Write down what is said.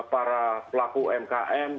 para pelaku umkm